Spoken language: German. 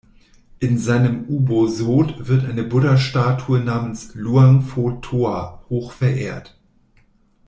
In seinem Ubosot wird eine Buddha-Statue namens Luang Pho Toa hoch verehrt.